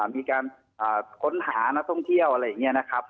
มีการค้นหานักท่องเที่ยวอะไรอย่างนี้นะครับ